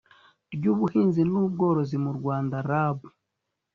ry ubuhinzi n ubworozi mu rwanda rab